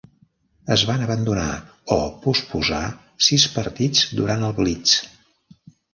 Es van abandonar o posposar sis partits durant el Blitz.